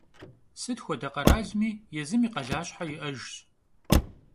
Sıt xuede kheralmi yêzım yi khalaşhe yi'ejjş.